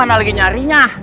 ah dia agak lagi nyarinnya